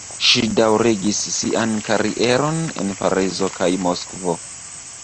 Ŝi daŭrigis sian karieron en Parizo kaj Moskvo.